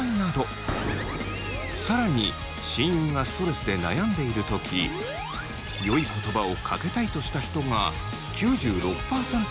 更に親友がストレスで悩んでいる時「よい言葉をかけたい」とした人が９６％いました。